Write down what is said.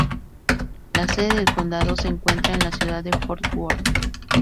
La sede del condado se encuentra en la ciudad de Fort Worth.